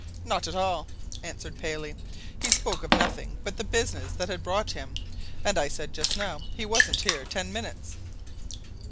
"Not at all," answered Mr. Paley. "He spoke of nothing but the business that had brought him. As I said just now, he wasn't here ten minutes."